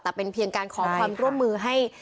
แต่เป็นเพียงการขอความร่วมมือให้